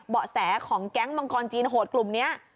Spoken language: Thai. เบาะแสของแก๊งมังกรจีนโหดกลุ่มนี้